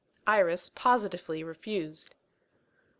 Iris positively refused.